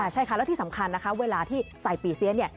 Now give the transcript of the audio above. ใช่ค่ะแล้วที่สำคัญนะคะเวลาที่ใส่ปีเสียเนี่ย